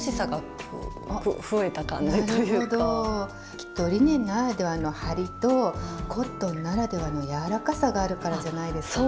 きっとリネンならではのハリとコットンならではの柔らかさがあるからじゃないですかね。